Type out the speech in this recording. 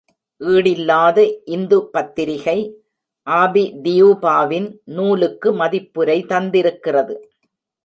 ஈடில்லாத இந்து பத்திரிகை, ஆபி டியூபாவின் நூலுக்கு மதிப்புரை தந்திருக்கிறது.